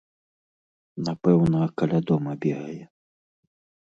Напэўна, каля дома бегае.